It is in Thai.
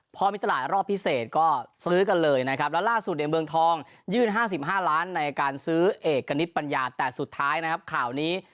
พอมีตลาดรอบพิเศษก็ซื้อกันเลยนะครับแล้วล่าสุดเนี่ยเมืองทองยื่น๕๕ล้านในการซื้อเอกณิตปัญญาแต่สุดท้ายนะครับข่าวนี้